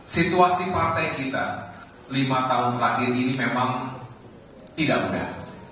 situasi partai kita lima tahun terakhir ini memang tidak mudah